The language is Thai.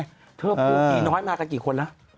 เธอปลูกผีน้อยมากันกี่คนแล้ว